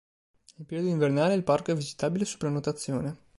Nel periodo invernale il parco è visitabile su prenotazione.